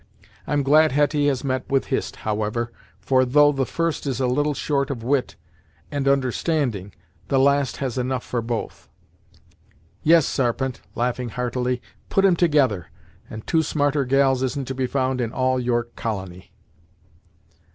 I'm glad Hetty has met with Hist, howsever, for though the first is a little short of wit and understanding, the last has enough for both. Yes, Sarpent," laughing heartily "put 'em together, and two smarter gals isn't to be found in all York Colony!"